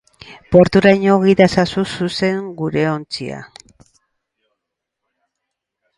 Porturaino gida ezazu zuzen gure ontzia.